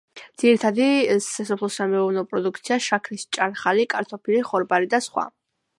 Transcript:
ძირითადი სასოფლო-სამეურნეო პროდუქტია: შაქრის ჭარხალი, კარტოფილი, ხორბალი და სხვა.